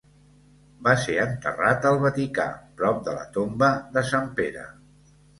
Va ser enterrat al Vaticà, prop de la tomba de sant Pere.